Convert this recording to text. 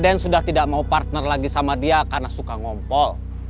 dia sudah tidak mau partner lagi sama dia karena suka ngompol